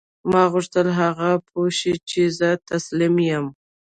ما غوښتل هغه پوه شي چې زه تسلیم یم